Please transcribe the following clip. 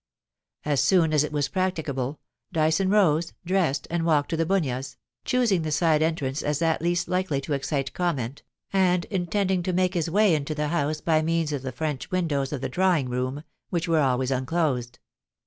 As soon as it was practicable, Dyson rose, dressed, and walked to The Bunyas, choosing the side entrance as that least likely to excite comment, and intending to make his way into the house by means of the French windows of the drawing room, which were always unclosed.